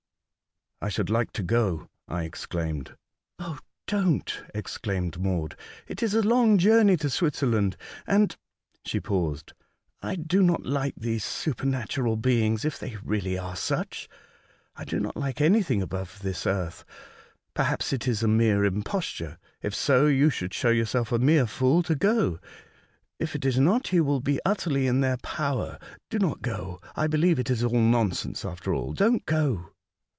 '' T SHOULD like to go," I exclaimed. i '' Oh, don't," exclaimed Maud. " It is a long journey to Switzerland, and," — slie paused —'' and I do not like these supernatural beings, if the J really are such. I do not like anything above this earth. Perhaps it is a mere impos ture. If so, you would show yourself a mere fool to go ; if it is not, you will be utterly in their power. Do not go ; I believe it is all nonsense, after all. Don't go."